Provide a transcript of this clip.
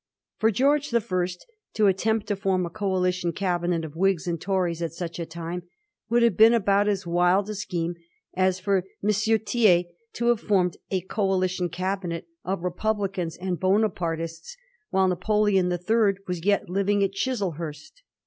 For George the First to attempt to form a Coalition Cabinet of Whigs and Tories at such a tinoie would have been about as wild a scheme as for M. Thiers to have formed a Coalition Cabinet of Repub licans and of Bonapartists, while Napoleon the Third was yet living at Chislehurst.